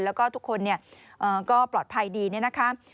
แล้วก็ทุกคนก็ปลอดภัยดีเนี่ยนะคะ